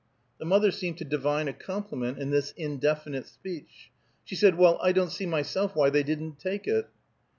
The mother seemed to divine a compliment in this indefinite speech. She said: "Well, I don't see myself why they didn't take it."